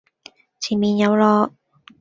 前面有落